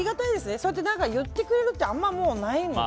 そうやって言ってくれるってあまりないので。